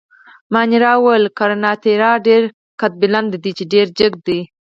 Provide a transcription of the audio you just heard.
مانیرا وویل: ګراناتیریا ډېر قدبلند دي، چې ډېر جګ دي.